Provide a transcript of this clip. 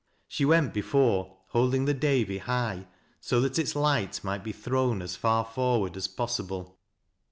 She went before, holding the Davy high, so that its light might be thrown as far forward as possible.